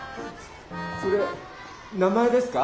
それ名前ですか？